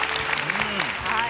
はい。